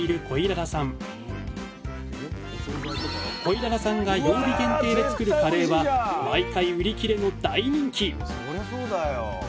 コイララさんが曜日限定で作るカレーは毎回売り切れの大人気！